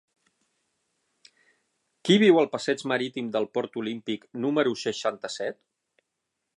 Qui viu al passeig Marítim del Port Olímpic número seixanta-set?